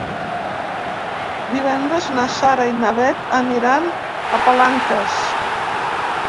Divendres na Sara i na Bet aniran a Palanques.